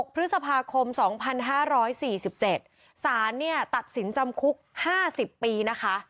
๖พฤษภาคม๒๕๔๗สาธารณ์เนี่ยตัดสินจำคุกห้าสิบปีนะคะ